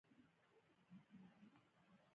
مالټې د بدن دفاعي حجرې پیاوړې کوي.